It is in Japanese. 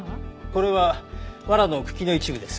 これは藁の茎の一部です。